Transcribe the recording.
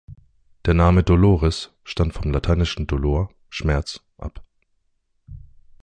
Der Name "Dolores" stammt vom lateinischen "dolor" „Schmerz“ ab.